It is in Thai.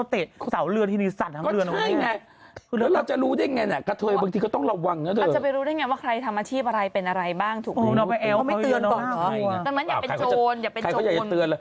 เมื่อเขาเตจของดาบบริการ์ไนที่รีสันทั้งเรือน